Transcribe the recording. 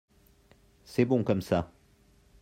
C’est bon comme ça.